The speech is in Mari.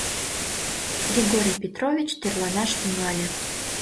Григорий Петрович тӧрланаш тӱҥале.